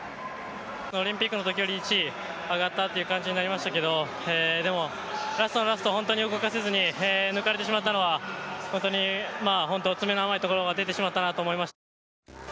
オリンピックのときより１位、上がったという感じになりましたけどでも、ラストのラスト、本当に動かせずに抜かれてしまったのは本当に詰めの甘いところが出てしまったと思います。